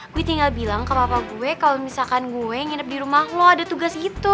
gue tinggal bilang ke bapak gue kalau misalkan gue nginep di rumah lo ada tugas gitu